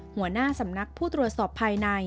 หัวหน้าสำนักผู้ตรวจสอบภายใน